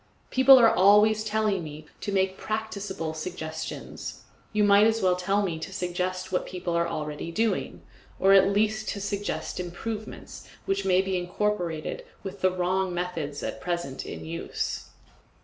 People are always telling me to make PRACTICABLE suggestions. You might as well tell me to suggest what people are doing already, or at least to suggest improvements which may be incorporated with the wrong methods at present in use.